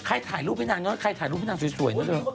ถ่ายรูปให้นางเนอะใครถ่ายรูปให้นางสวยนะเธอ